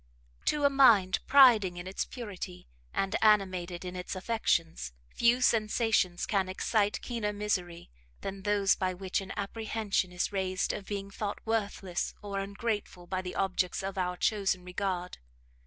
To a mind priding in its purity, and animated in its affections, few sensations can excite keener misery, than those by which an apprehension is raised of being thought worthless or ungrateful by the objects of our chosen regard.